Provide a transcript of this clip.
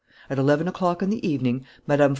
At eleven o'clock in the evening, Mme.